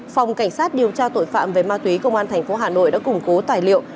phòng cảnh sát điều tra tội phạm về ma túy công an tp hcm đã củng cố tài liệu